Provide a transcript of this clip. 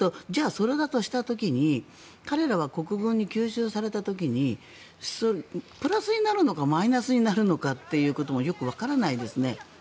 それだとした時に彼らは国軍に吸収された時にプラスになるのかマイナスになるのかということもよくわからないですね。